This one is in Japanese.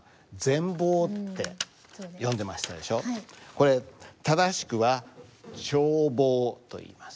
これ正しくは「ちょうぼう」といいます。